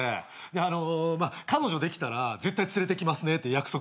あのまあ彼女できたら絶対連れてきますって約束してて。